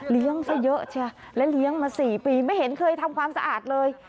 เลี้ยงเยอะแล้วเลี้ยงมาสี่ปีไม่เห็นเคยทำความสะอาดเลย